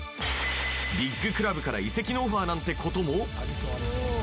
ビッグクラブから移籍のオファーなんてことも？